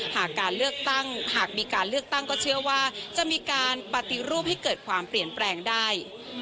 หากมีการเลือกตั้งก็เชื่อว่าจะมีการปฏิรูปให้เกิดความเปลี่ยนแปลงได้